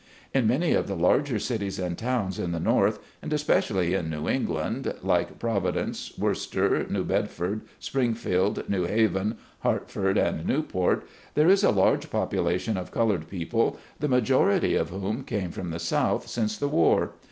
In many of the larger cities and towns in the North, and especially in New England, like Prov idence, Worcester, New Bedford, Springfield, New Haven, Hartford and Newport, there is a large population of colored people, the majority of whom came from the South since the war.